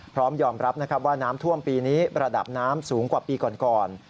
พร้อมยอมรับนะครับว่าน้ำท่วมปีนี้ระดับน้ำสูงกว่าปีก่อน